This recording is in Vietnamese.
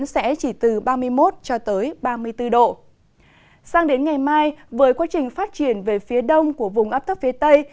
sang đến ngày mai với quá trình phát triển về phía đông của vùng ấp thấp phía tây